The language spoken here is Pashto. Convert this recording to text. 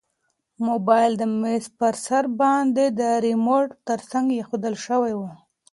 موبایل د میز په سر باندې د ریموټ تر څنګ ایښودل شوی و.